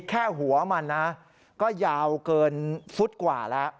แค่หัวมันนะก็ยาวเกินฟุตกว่าแล้ว